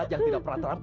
itu adalah penyebabnya